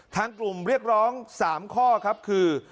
ทางกลุ่มเรียกร้อง๓ข้อครับคือ